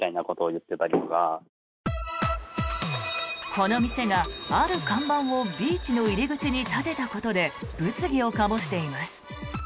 この店がある看板をビーチの入り口に立てたことで物議を醸しています。